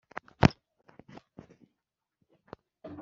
ku ishyirwaho ry uburyo n imigendekere